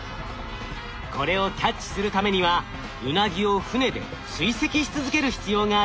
これをキャッチするためにはウナギを船で追跡し続ける必要があります。